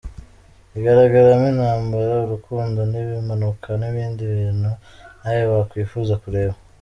Igaragaramo intambara, urukundo n’ibimanuka n’ibindi bintu nawe wakwifuza kureba.